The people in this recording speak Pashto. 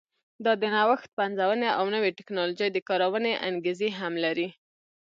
دا د نوښت، پنځونې او نوې ټکنالوژۍ د کارونې انګېزې هم لري.